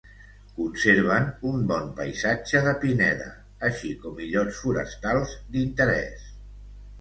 Conserven un bon paisatge de pineda, així com illots forestals d’interès.